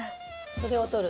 それを撮る。